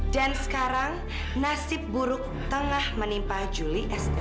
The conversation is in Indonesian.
dan sekarang nasib buruk tengah menimpa juli estel